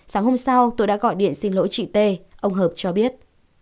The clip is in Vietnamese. sáng hôm sau tôi đã gọi điện xin lỗi chị t ông hợp cho biết